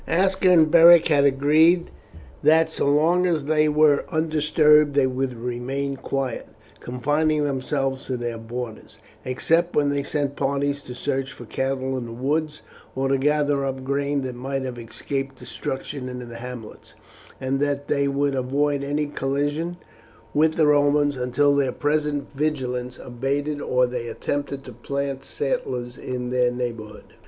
Aska and Beric had agreed that so long as they were undisturbed they would remain quiet, confining themselves to their borders, except when they sent parties to search for cattle in the woods or to gather up grain that might have escaped destruction in the hamlets, and that they would avoid any collision with the Romans until their present vigilance abated or they attempted to plant settlers in their neighbourhood.